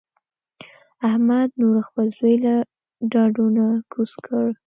احمد نور خپل زوی له ډډو نه کوز کړ.